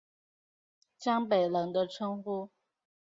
江北人的称呼。